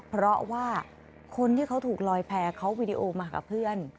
เพราะว่าคนที่เขาถูกลอยแพ้เขาวีดีโอมากับเพื่อน